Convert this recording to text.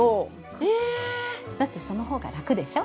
えっ⁉だってその方が楽でしょ？